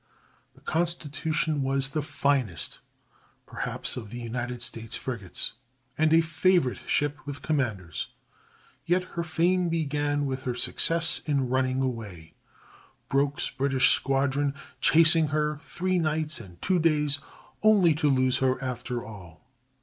The Constitution was the finest, perhaps, of the United States frigates, and a favorite ship with commanders, yet her fame began with her success in running away, Broke's British squadron chasing her three nights and two days, only to lose her after all.